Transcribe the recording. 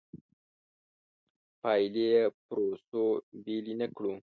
پایلې پروسو بېلې نه کړو.